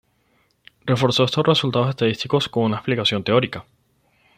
Reforzó estos resultados estadísticos con una explicación teórica.